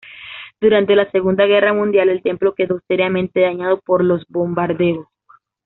Durante la Segunda Guerra Mundial, el templo quedó seriamente dañado por los bombardeos.